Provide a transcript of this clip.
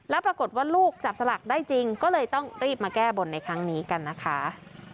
แล้วปรากฏว่าลูกจับสลักได้จริงก็เลยต้องรีบมาแก้บนในครั้งนี้กันนะคะ